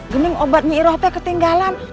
gendeng obat nyi irohnya ketinggalan